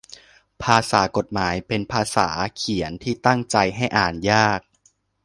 ภาษากฎหมาย เป็นภาษาเขียนที่ตั้งใจให้อ่านยาก